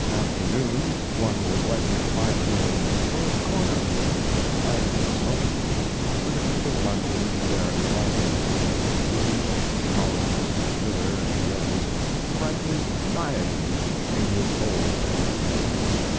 Afternoons one was likely to find him in "Poets' Corner" of the Langham smoking room, with a group of London and American authors Reade, Collins, Miller, and the others frankly rioting in his bold fancies.